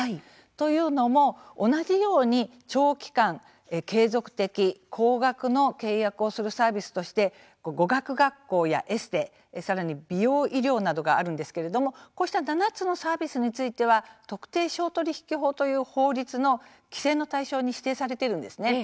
というのも同じように長期間継続的、高額の契約をするサービスとして語学教室ですとかエステ、美容医療などがありますが、こうした７つのサービスについては特定商取引法という法律の規制の対象に指定されているんですね。